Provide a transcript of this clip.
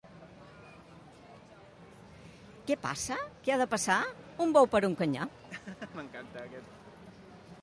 Què passa? —Què ha de passar? Un bou per un canyar!